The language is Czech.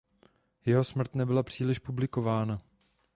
Jeho smrt nebyla příliš publikována.